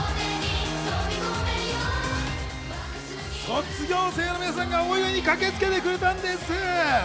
卒業生の皆さんがお祝いに駆けつけてくれたんです。